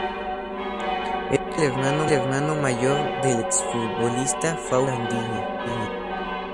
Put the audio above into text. Era el hermano mayor del exfutbolista Fausto Landini.